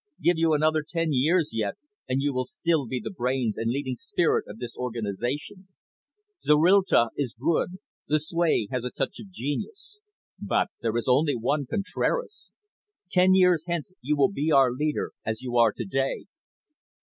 "Give you another ten years yet, and you will still be the brains and leading spirit of this organisation. Zorrilta is good, Lucue has a touch of genius. But there is only one Contraras. Ten years hence you will be our leader, as you are to day."